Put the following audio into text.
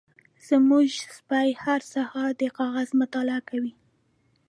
زمونږ سپی هر سهار د کاغذ مطالعه کوي.